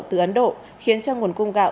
từ ấn độ khiến cho nguồn cung gạo